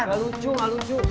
gak lucu gak lucu